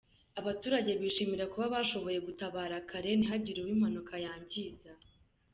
Abaturage bishimira kuba bashoboye gutabara kare ntihagire uwo impanuka yangiza.